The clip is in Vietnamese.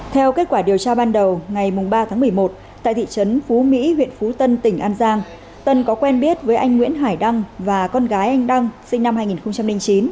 theo kết quả điều tra ban đầu ngày ba tháng một mươi một tại thị trấn phú mỹ huyện phú tân tỉnh an giang tân có quen biết với anh nguyễn hải đăng và con gái anh đăng sinh năm hai nghìn chín